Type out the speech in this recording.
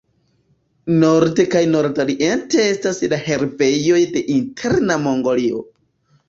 Norde kaj nordoriente estas la herbejoj de Interna Mongolio.